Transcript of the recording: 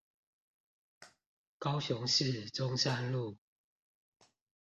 高雄市中山路